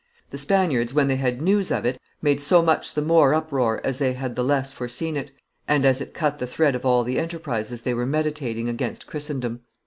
The Spaniards, when they bad news of it, made so much the more uproar as they had the less foreseen it, and as it cut the thread of all the enterprises they were meditating against Christendom.